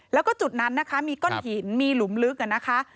แล้วก็จุดนั้นนะคะมีก้อนหินมีหลุมลึกนะคะ